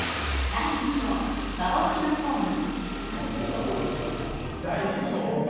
「第二章幻のホーム」。